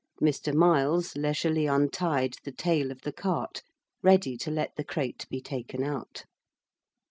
Mr. Miles leisurely untied the tail of the cart, ready to let the crate be taken out.